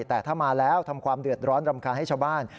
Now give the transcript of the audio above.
แต่ถ้ามาแล้วทำความเดือดร้อนรำคาญให้ชาวบ้าน